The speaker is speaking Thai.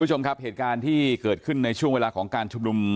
คุณผู้ชมครับเหตุการณ์ที่เกิดขึ้นในช่วงเวลาของการชุมนุม